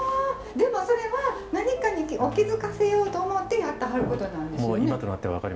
でもそれは何かを気付かせようと思ってやってはることなんですよね。